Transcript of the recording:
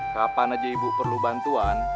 kapan aja ibu perlu bantuan